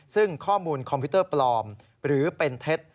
ซึ่งข้อมูลคอมพิวเตอร์ปลอมหรือเป็นเท็จ